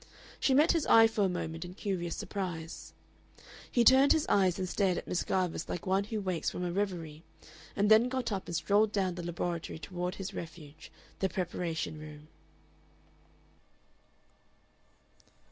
She met his eye for a moment in curious surprise. He turned his eyes and stared at Miss Garvice like one who wakes from a reverie, and then got up and strolled down the laboratory toward his refuge, the preparation room.